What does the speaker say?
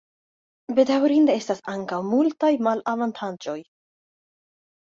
Bedaŭrinde estas ankaŭ multaj malavantaĝoj.